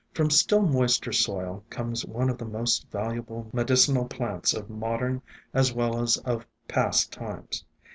" From still moister soil comes one of the most valuable medicinal plants of modern as well as of ESCAPED FROM GARDENS 75 past times.